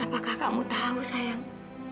apakah kamu tahu sayang